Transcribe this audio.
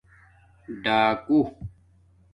ڈَاکݸ